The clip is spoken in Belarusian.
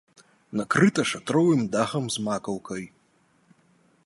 Накрыта шатровым дахам з макаўкай.